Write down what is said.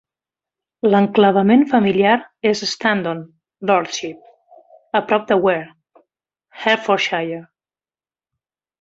L'enclavament familiar és Standon Lordship, a prop de Ware, Hertfordshire.